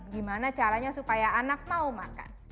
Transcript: gimana caranya supaya anak mau makan